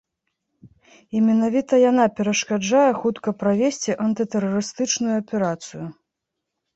І менавіта яна перашкаджае хутка правесці антытэрарыстычную аперацыю.